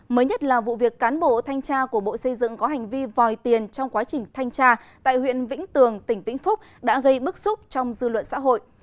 mới nhất là vụ việc cán bộ thanh tra của bộ xây dựng có hành vi vòi tiền trong quá trình thanh tra tại huyện vĩnh tường tỉnh vĩnh phúc đã gây bức xúc trong dư luận xã hội